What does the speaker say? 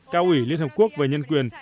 cao ủy liên hợp quốc về nhân quyền